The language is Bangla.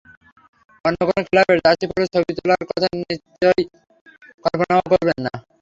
অন্য কোনো ক্লাবের জার্সি পরে ছবি তোলার কথা নিশ্চয়ই কল্পনাও করবেন না।